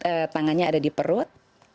eh tangannya ada di perut